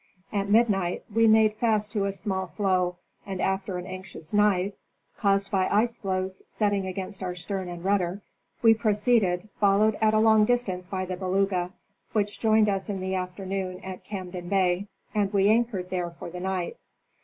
At midnight we made fast to a small floe and after an anxious night (caused by ice floes VOL, II, 18 186 National Geographic Magazine. setting against our stern and rudder) we proceeded, followed at a long distance by the Beluga, which joined us in the afternoon at. Camden Bay, and we anchored there for the night.